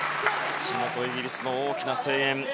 地元イギリスの大きな声援。